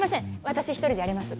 私一人でやれます